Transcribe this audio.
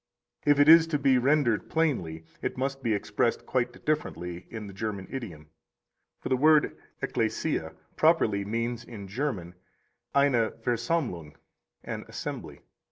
If it is to be rendered plainly, it must be expressed quite differently in the German idiom; for the word ecclesia properly means in German eine Versammlung, an assembly.